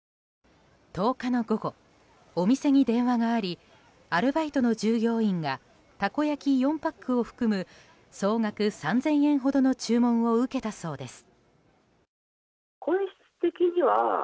１０日の午後、お店に電話がありアルバイトの従業員がたこ焼き４パックを含む総額３０００円ほどの注文を受けたそうです。